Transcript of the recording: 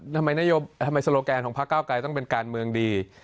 ทำไมโซโลแกนของพระเก้าไกรต้องเป็นการเมืองดี